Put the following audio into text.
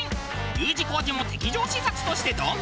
Ｕ字工事も敵情視察として同行！